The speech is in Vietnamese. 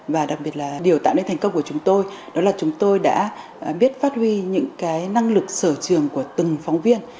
và đặc biệt là điều tạo nên thành công của chúng tôi đó là chúng tôi đã biết phát huy những cái năng lực sở trường của từng phóng viên